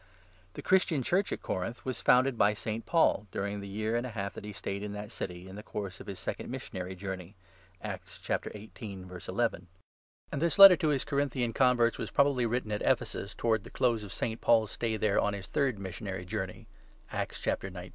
The Christian Church at Corinth was founded by St. Paul during the year and a half that he stayed in that city in the course of his second missionary journey (Acts 18. n) ; and this Letter to his Corinthian converts was probably written at Ephesus towards the close of St. Paul's stay there on his third missionary journey (Acts 19).